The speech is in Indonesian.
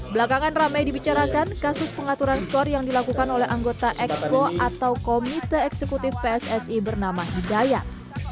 belakangan ramai dibicarakan kasus pengaturan skor yang dilakukan oleh anggota expo atau komite eksekutif pssi bernama hidayat